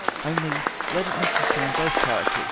Only let it not sustain both characters.